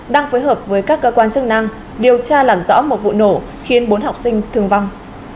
đang phối hợp với các cơ quan chức năng điều tra làm rõ một vụ nổ khiến bốn học sinh thương vong